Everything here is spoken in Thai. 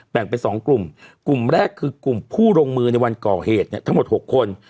ไป๒กลุ่มกลุ่มแรกคือกลุ่มผู้ลงมือในวันก่อเหตุเนี่ยทั้งหมด๖คน